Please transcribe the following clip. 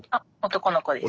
男の子です。